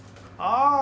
ああ！